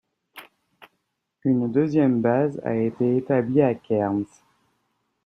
Une deuxième base a été établie à Cairns.